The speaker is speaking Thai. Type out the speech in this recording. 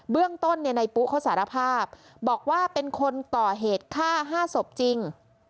เรื่องต้นในปุ๊เขาสารภาพบอกว่าเป็นคนก่อเหตุฆ่า๕ศพจริง